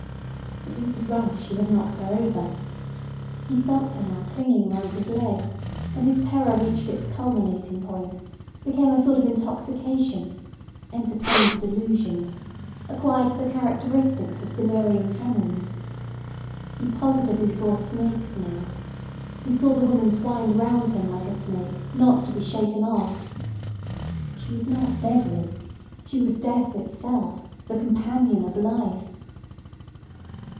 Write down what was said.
But in his rush he had knocked her over. He felt her now clinging round his legs, and his terror reached its culminating point, became a sort of intoxication, entertained delusions, acquired the characteristics of delirium tremens. He positively saw snakes now. He saw the woman twined round him like a snake, not to be shaken off. She was not deadly. She was death itself—the companion of life.